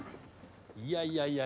いやいやいやいや